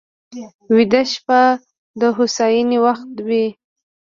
ویده شپه د هوساینې وخت وي